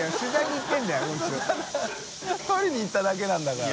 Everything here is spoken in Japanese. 燭撮りに行っただけなんだから。